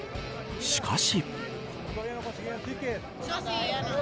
しかし。